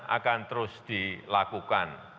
akan terus dilakukan